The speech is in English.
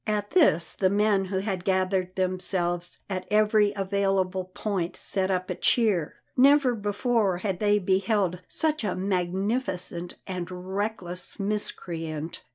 At this the men who had gathered themselves at every available point set up a cheer. Never before had they beheld such a magnificent and reckless miscreant.